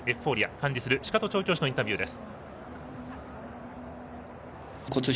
管理する鹿戸調教師のインタビューです。